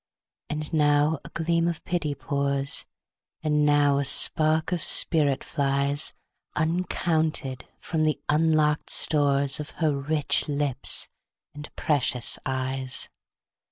And now a gleam of pity pours, And now a spark of spirit flies, Uncounted, from the unlock'd storesOf her rich lips and precious eyes.